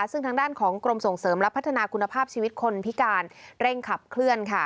ซึ่งทางด้านของกรมส่งเสริมและพัฒนาคุณภาพชีวิตคนพิการเร่งขับเคลื่อน